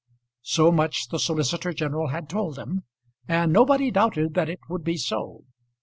So much the solicitor general had told them, and nobody doubted that it would be so.